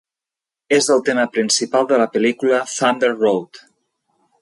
És el tema principal de la pel·lícula "Thunder Road".